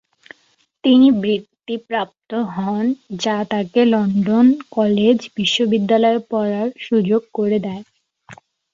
তিনি বৃত্তিপ্রাপ্ত হন, যা তাকে লন্ডন কলেজ-বিশ্ববিদ্যালয়ে পড়ার সুযোগ করে দেয়।